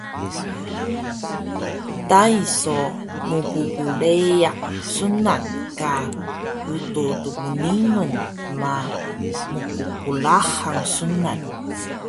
Tai so mpbleyaq sunan ka Utux Tmninun ma mpqlahang sunan